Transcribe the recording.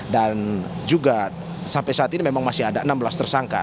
dan juga sampai saat ini memang masih ada enam belas tersangka